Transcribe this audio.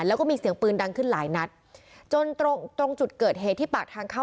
แล้วก็มีเสียงปืนดังขึ้นหลายนัดจนตรงตรงจุดเกิดเหตุที่ปากทางเข้า